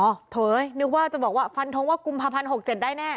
เถยนึกว่าจะบอกว่าฟันทงว่ากุมภาพันธ์๖๗ได้แน่